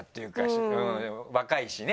若いしね。